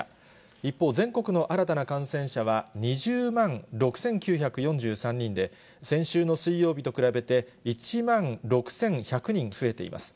一方、全国の新たな感染者は２０万６９４３人で、先週の水曜日と比べて１万６１００人増えています。